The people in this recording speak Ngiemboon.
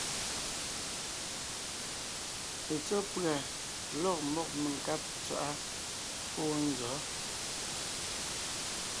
Petsɔ́ pʉ̀a lɔ̂g mɔ́b menkáb ntswaʼá fóo nzɔ̌?